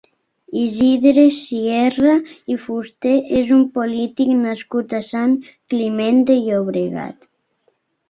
Isidre Sierra i Fusté és un polític nascut a Sant Climent de Llobregat.